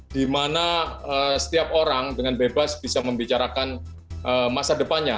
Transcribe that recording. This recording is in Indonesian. dimana setiap orang dengan bebas bisa membicarakan masa depannya